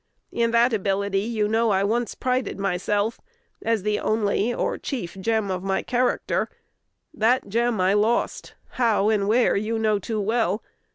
In that ability you know I once prided myself, as the only or chief gem of my character: that gem I lost, how and where you know too well.